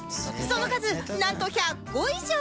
その数なんと１００個以上